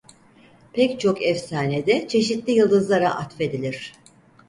Pek çok efsanede çeşitli yıldızlara atfedilir.